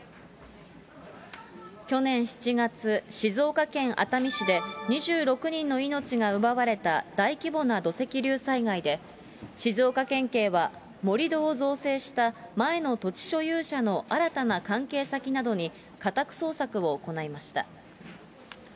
去年７月、静岡県熱海市で、２６人の命が奪われた大規模な土石流災害で、静岡県警は盛り土を造成した、前の土地所有者の新たな関係先などに、家宅捜索を行いました。